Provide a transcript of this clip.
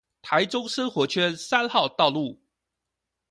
台中生活圈三號道路